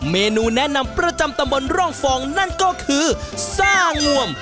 เมนูแนะนำประจำตำบลร่องฟองนั่นก็คือแซ่งวม